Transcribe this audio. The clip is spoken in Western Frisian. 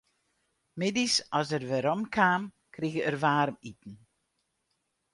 Middeis as er werom kaam, krige er waarmiten.